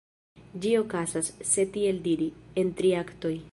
Ĝi okazas, se tiel diri, en tri aktoj.